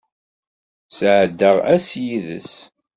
Sɛeddaɣ ass yid-s.